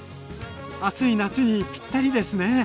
暑い夏にぴったりですね。